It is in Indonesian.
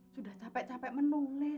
sudah capek capek menulis